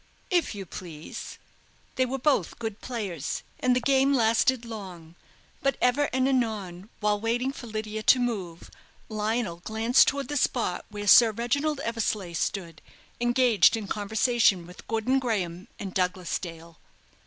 "If you please." They were both good players, and the game lasted long. But ever and anon, while waiting for Lydia to move, Lionel glanced towards the spot where Sir Reginald Eversleigh stood, engaged in conversation with Gordon Graham and Douglas Dale.